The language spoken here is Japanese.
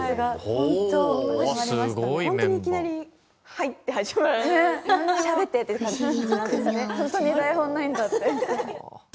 本当に台本ないんだって。